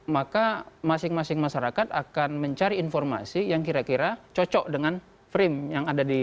maka masing masing masyarakat akan mencari informasi yang kira kira cocok dengan frame yang ada di